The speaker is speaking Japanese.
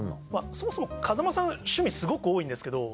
そもそも風間さん趣味すごく多いんですけど。